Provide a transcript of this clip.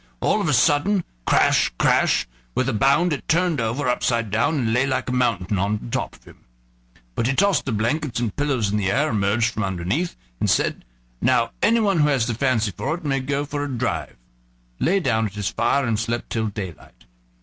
All of a sudden crash, crash! with a bound it turned over, upside down, and lay like a mountain on the top of him. But he tossed the blankets and pillows in the air, emerged from underneath, and said: "Now anyone who has the fancy for it may go a drive," lay down at his fire, and slept till daylight.